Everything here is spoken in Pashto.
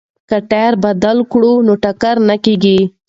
که ټایر بدل کړو نو ټکر نه کیږي.